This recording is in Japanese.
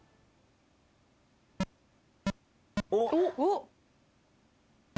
おっ！